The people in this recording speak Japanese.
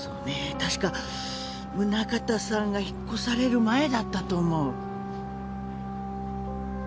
確か宗形さんが引っ越される前だったと思う。